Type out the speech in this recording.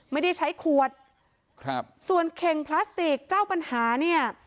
ไม่ได้ใช้ขวดครับส่วนเข่งพลาสติกเจ้าปัญหาเนี่ย